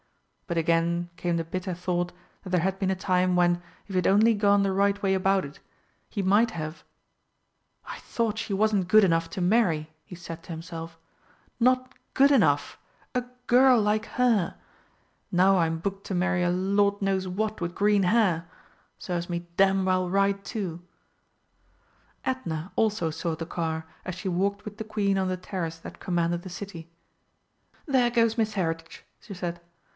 But again came the bitter thought that there had been a time when, if he had only gone the right way about it, he might have "I thought she wasn't good enough to marry," he said to himself. "Not good enough! a girl like her! Now I'm booked to marry a Lord knows what with green hair. Serves me damned well right too!" Edna also saw the car as she walked with the Queen on the terrace that commanded the City. "There goes Miss Heritage!" she said.